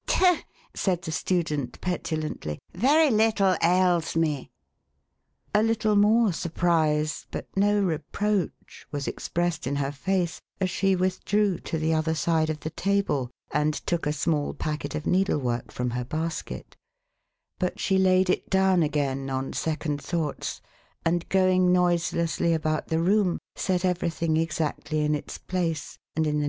" Tut !" said the student, petulantly, " very little ails me." A little more surprise, but no reproach, was expressed in her face, as she withdrew to the other side of the table, and took a small packet of needlework from her basket But she laid it down again, on second thoughts, and going noiselessly about the room, set everything exactly in its place, and in the 472 THE HAUNTED MAN.